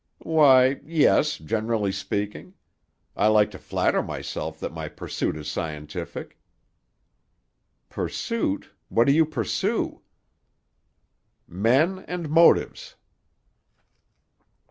"Why—yes, generally speaking. I like to flatter myself that my pursuit is scientific." "Pursuit? What do you pursue?" "Men and motives."